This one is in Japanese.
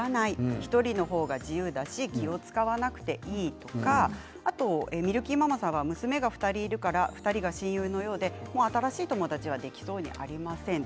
１人の方が自由だし気を遣わなくていいとか他に娘は２人いるから２人が親友のようで新しい友達はできそうにありませんと。